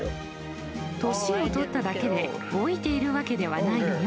年を取っただけで老いているわけではないのよ。